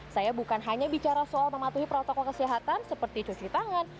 saya bukan hanya bicara soal mematuhi protokol kesehatan seperti cuci tangan